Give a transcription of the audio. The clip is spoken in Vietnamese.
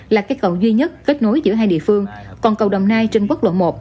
là cây cầu duy nhất kết nối giữa hai địa phương còn cầu đồng nai trên quốc lộ một